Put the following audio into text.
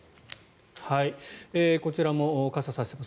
こちらも傘を差しています。